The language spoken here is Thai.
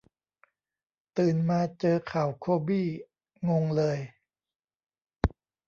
ตื่นมาเจอข่าวโคบี้ งงเลย